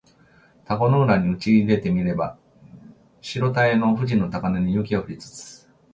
田子の浦にうちいでて見れば白たへの富士の高嶺に雪は降りつつ